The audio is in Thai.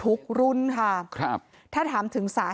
เพราะทนายอันนันชายเดชาบอกว่าจะเป็นการเอาคืนยังไง